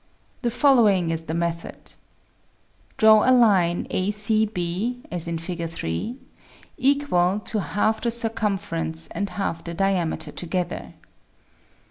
The following is the method : Draw a line ACB, Fig. 3, equal to half the circumference and half the diameter together.